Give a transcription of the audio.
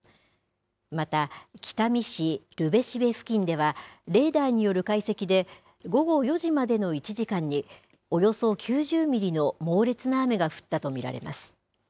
また北見市留辺蘂付近では、レーダーによる解析で、午後４時までの１時間におよそ９０ミリの猛烈な雨が降ったと見られます。